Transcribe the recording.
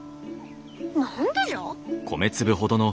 何でじゃ？